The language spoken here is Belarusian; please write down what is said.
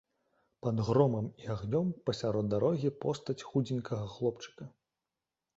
Пад громам і агнём, пасярод дарогі, постаць худзенькага хлопчыка.